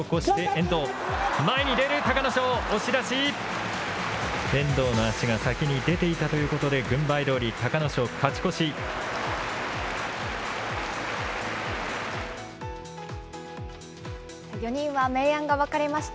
遠藤の足が先に出ていたということで、軍配どおり隆の勝、勝ち越し。